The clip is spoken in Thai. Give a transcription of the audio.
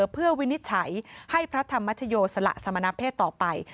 เพื่อวินิจฉัยให้พระธรรมชโยสละสมณเพศต่อไป